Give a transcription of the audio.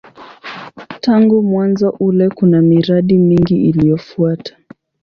Tangu mwanzo ule kuna miradi mingi iliyofuata.